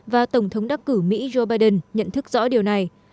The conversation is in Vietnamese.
và tổng thống đắc cử mỹ joe biden nhận thức rõ điều này